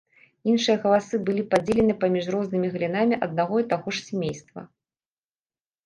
Іншыя галасы былі падзелены паміж рознымі галінамі аднаго і таго ж сямействы.